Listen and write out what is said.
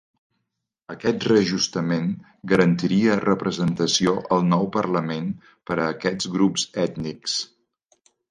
Aquest reajustament garantiria representació al nou parlament per a aquests grups ètnics.